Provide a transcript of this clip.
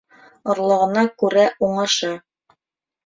Орлоғона күрә уңышы.